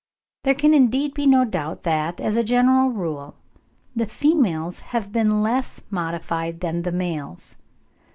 There can indeed be no doubt that, as a general rule, the females have been less modified than the males.